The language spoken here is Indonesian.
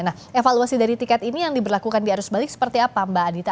nah evaluasi dari tiket ini yang diberlakukan di arus balik seperti apa mbak adita